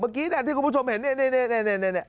เมื่อกี้ที่คุณผู้ชมเห็นเนี่ย